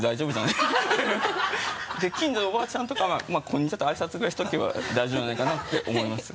で近所のおばあちゃんとかまぁこんにちはってあいさつぐらいしとけば大丈夫じゃないかなって思います。